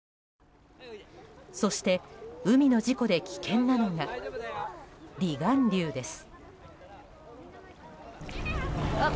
そして、海の事故で危険なのが離岸流です。